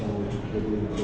jadi dia berusaha